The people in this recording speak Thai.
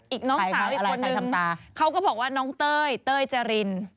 น้องสาวอีกคนนึงเขาก็บอกว่าน้องเต้ยเต้ยจริน